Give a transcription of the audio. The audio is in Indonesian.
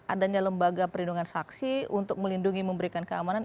adanya lembaga perlindungan saksi untuk melindungi memberikan keamanan